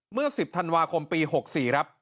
เมื่อ๑๐ธันวาคมปี๖๔ครับ